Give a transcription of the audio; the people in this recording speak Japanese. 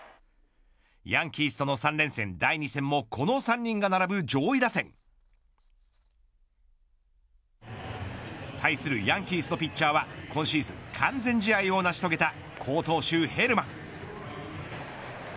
ヤンキースとの３連戦第２戦もこの３人が並ぶ上位打線。対するヤンキースのピッチャーは今シーズン完全試合を成し遂げた好投手ヘルマン。